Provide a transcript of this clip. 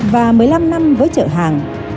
và một mươi năm năm với chở hàng